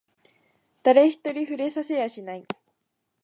誰一人触れさせやしない